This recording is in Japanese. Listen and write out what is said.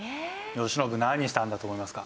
慶喜何したんだと思いますか？